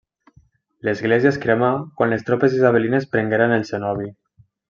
L'església es cremà quan les tropes isabelines prengueren el cenobi.